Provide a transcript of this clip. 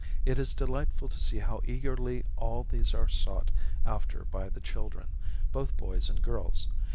It is delightful to see how eagerly all these are sought after by the children, both boys and girls.